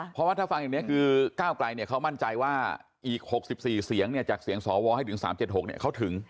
เพราะว่าถ้าฟังอย่างนี้คือก้าวไกลเขามั่นใจว่าอีก๖๔เสียงเนี่ยจากเสียงสวให้ถึง๓๗๖เขาถึง